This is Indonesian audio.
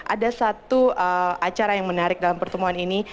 ada satu acara yang menarik dalam pertemuan ini